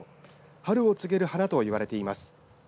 春を告げる花といわれています。